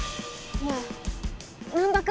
ねえ難破君。